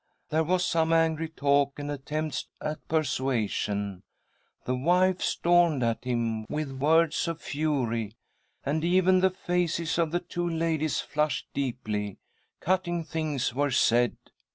There was some angry talk and attempts at persuasion. The wife stormed at him with words of fury, and even the faces, of the two ladies flushed deeply ; cutting things were said